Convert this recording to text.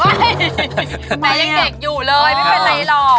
แหมยังเด็กอยู่เลยไม่เป็นไรหรอก